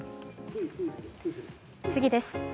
次です。